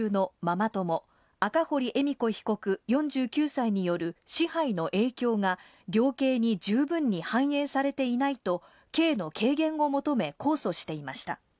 ４９歳による支配の影響が量刑に十分に反映されていないと刑の軽減を求め控訴していました。